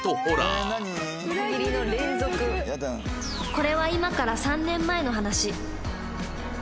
これは今から３年前の話